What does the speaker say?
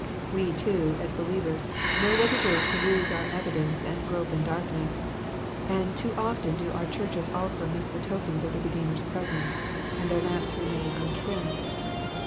We, too, as believers, know what it is to lose our evidences and grope in darkness ; and too often do our churches also miss the tokens of the Redeemer's presence, and their lamps remain untrimmed.